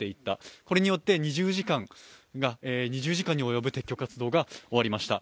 これによって２０時間に及ぶ撤去活動が終わりました。